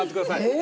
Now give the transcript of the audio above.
え！